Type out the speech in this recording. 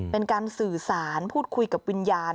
เป็นการสื่อสารพูดคุยกับวิญญาณ